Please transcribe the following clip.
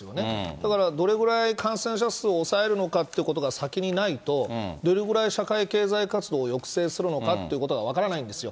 だからどれぐらい感染者数を抑えるのかってことが先にないと、どれぐらい社会経済活動を抑制するのかっていうことが分からないんですよ。